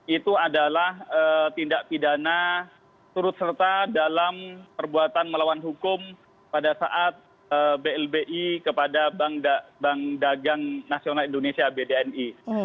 itu adalah tindak pidana turut serta dalam perbuatan melawan hukum pada saat blbi kepada bank dagang nasional indonesia bdni